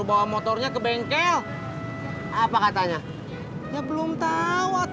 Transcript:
bapak belum aku slightly nol